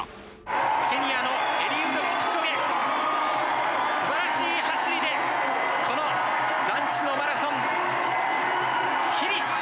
ケニアのエリウド・キプチョゲ素晴らしい走りでこの男子のマラソンフィニッシュ。